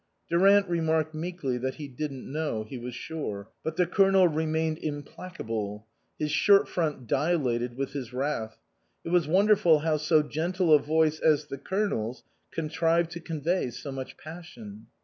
Durant remarked meekly that he didn't know, he was sure. But the Colonel remained implac able ; his shirt front dilated with his wrath ; it was wonderful how so gentle a voice as the Colonel's contrived to convey so much passion.